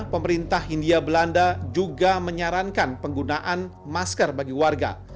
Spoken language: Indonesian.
pemerintah hindia belanda juga menyarankan penggunaan masker bagi warga